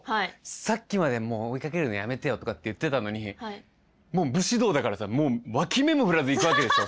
さっきまで「もう追いかけるのやめてよ」とかって言ってたのに武士道だからさもう脇目も振らず行くわけでしょ？